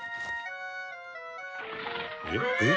「えっ？」